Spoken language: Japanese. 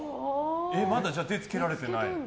じゃあまだ手つけられてない？